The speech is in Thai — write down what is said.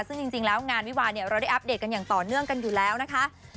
ซึ่งจริงแล้วงานวิวาเนี่ยเราได้อัปเดตกันอย่างต่อเนื่องกันอยู่แล้วนะคะ